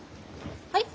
はい？